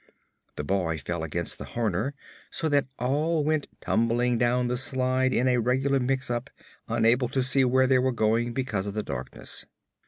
The boy fell against the Horner, so that all went tumbling down the slide in a regular mix up, unable to see where they were going because of the darkness.